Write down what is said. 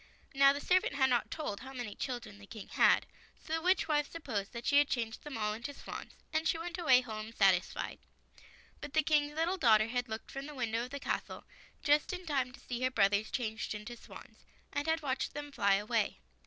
Now the servant had not told how many children the King had, so the witch wife supposed that she had changed them all into swans, and she went away home satisfied. But the King's little daughter had looked from the window of the castle just in time to see her brothers changed into swans, and had watched them fly away.